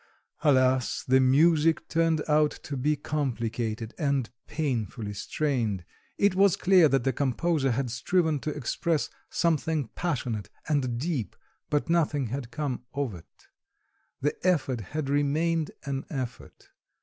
Alas! the music turned out to be complicated and painfully strained; it was clear that the composer had striven to express something passionate and deep, but nothing had come of it; the effort had remained an effort.